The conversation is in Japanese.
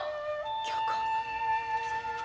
恭子。